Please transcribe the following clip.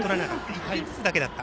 １点ずつだけだった。